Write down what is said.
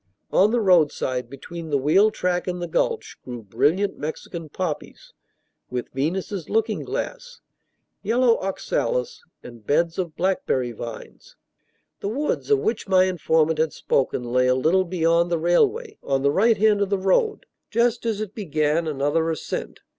On the roadside, between the wheel track and the gulch, grew brilliant Mexican poppies, with Venus's looking glass, yellow oxalis, and beds of blackberry vines. The woods of which my informant had spoken lay a little beyond the railway, on the right hand of the road, just as it began another ascent.